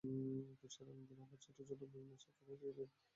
কুশিয়ারা নদীর আবার ছোট ছোট বিভিন্ন শাখায় সিলেটের বিভিন্ন অঞ্চলে প্রবাহিত আছে।